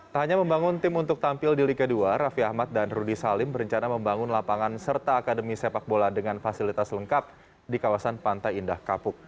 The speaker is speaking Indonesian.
tak hanya membangun tim untuk tampil di liga dua raffi ahmad dan rudy salim berencana membangun lapangan serta akademi sepak bola dengan fasilitas lengkap di kawasan pantai indah kapuk